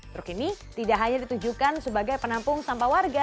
truk ini tidak hanya ditujukan sebagai penampung sampah warga